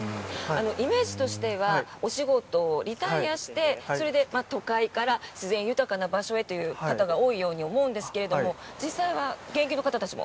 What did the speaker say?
イメージとしてはお仕事をリタイアしてそれで都会から自然豊かな場所へという方が多いように思うんですが実際は現役の方たちも？